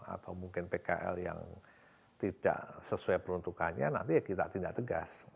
atau mungkin pkl yang tidak sesuai peruntukannya nanti ya kita tindak tegas